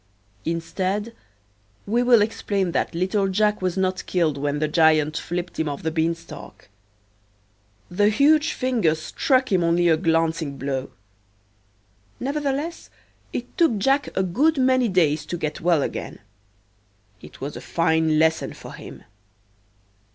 Instead we will explain that little Jack was not killed when the giant flipped him off the beanstalk. The huge finger struck him only a glancing blow. Nevertheless, it took Jack a good many days to get well again. It was a fine lesson for him.